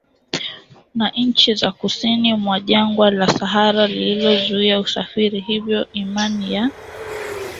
na nchi za kusini mwa jangwa la Sahara lililozuia usafiri Hivyo imani ya